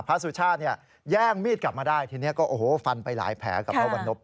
พระสุชาติแย่งมีดกลับมาได้ทีนี้ก็ฟันไปหลายแผลกับพระวันนพย์